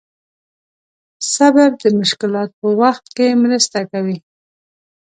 صبر د مشکلاتو په وخت کې مرسته کوي.